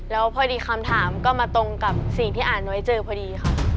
แล้วพอดีคำถามก็มาตรงกับสิ่งที่อ่านไว้เจอพอดีค่ะ